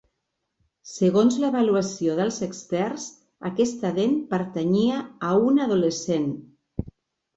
Segons l'avaluació dels experts, aquesta dent pertanyia a una adolescent.